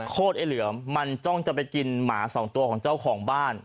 ไอ้เหลือมมันจ้องจะไปกินหมาสองตัวของเจ้าของบ้าน